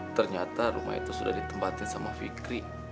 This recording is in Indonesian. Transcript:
ternyata rumah itu sudah ditempatin sama fikri